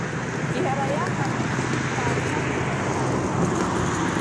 Иара иаҟара ихызшьаахьада Кавказ.